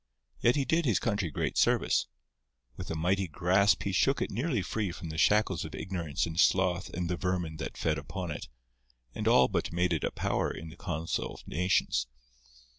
Yet he did his country great service. With a mighty grasp he shook it nearly free from the shackles of ignorance and sloth and the vermin that fed upon it, and all but made it a power in the council of nations.